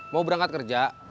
mau berangkat kerja